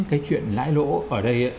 cái chuyện lãi lỗ ở đây ấy